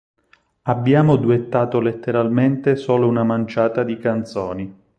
Abbiamo duettato letteralmente solo una manciata di canzoni.